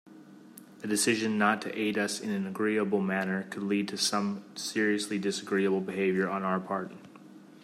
A decision not to aid us in an agreeable manner could lead to some seriously disagreeable behaviour on our part.